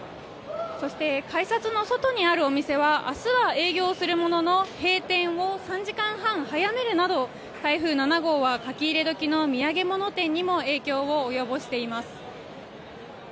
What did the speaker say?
そして改札の外にあるお店は明日は営業するものの閉店を３時間半早めるなど台風７号は書き入れ時の土産物店にも影響を及ぼしています。